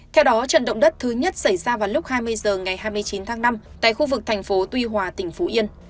theo đó trận động đất thứ nhất xảy ra vào lúc hai mươi h ngày hai mươi chín tháng năm tại khu vực thành phố tuy hòa tỉnh phú yên